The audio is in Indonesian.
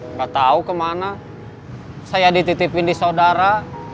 nggak tahu kemana saya dititipin di saudara